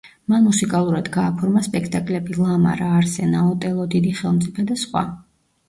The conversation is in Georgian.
მან მუსიკალურად გააფორმა სპექტაკლები: „ლამარა“, „არსენა“, „ოტელო“, „დიდი ხელმწიფე“ და სხვა.